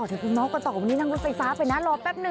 เดี๋ยวพี่เมาส์ก็ต่อวันนี้นั่งรถไฟฟ้าไปน่ะรอแป๊บหนึ่ง